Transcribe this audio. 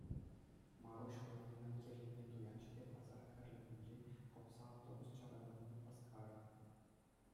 Маруҫ хӑйне мӗн кирлине туянчӗ те пасар кӗрлевӗнчен хӑпса автобус чарӑнӑвне васкарӗ.